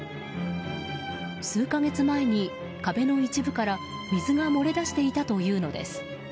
数か月前に壁の一部から水が漏れ出していたというのです。